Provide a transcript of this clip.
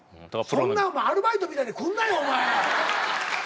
そんなアルバイトみたいに来んなよお前。